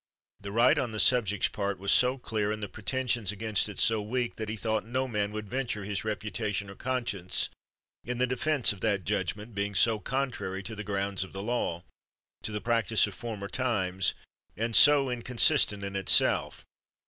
The right on the subject's part was so clear, and the pretenses against it so weak, that he thought no man would venture his reputation or conscience in the defense of that judgment, being so contrary to the grounds of the law, to the practise of former times, and so inconsis tent in itself.